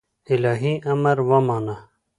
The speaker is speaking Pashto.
الهي امر ومانه